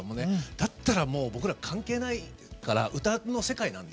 だったら、僕らは関係ないから、歌の世界なんで。